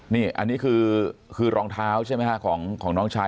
นี่อันนี้คือรองเท้าใช่ไหมฮะของน้องชาย